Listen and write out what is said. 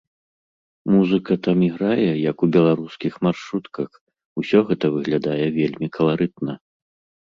Музыка там іграе, як у беларускіх маршрутках, усё гэта выглядае вельмі каларытна.